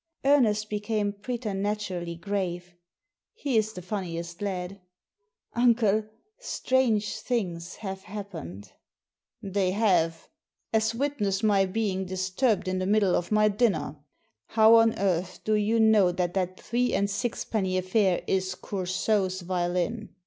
Ernest became preternaturally grave; he is the funniest lad. "Uncle, strange things have happened." "They have. As witness my being disturbed in Digitized by VjOO^IC THE VIOLIN 105 the middle of my dinner. How on earth do you know that that three and sixpenny affair is Cour sault's violin?"